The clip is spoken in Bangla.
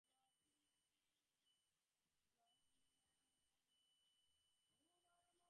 পাশাপাশি সবার কাছে অনুরোধ, তাঁরা যেন অরিজিন্যাল সিডি কিনে অ্যালবামের গানগুলো শোনেন।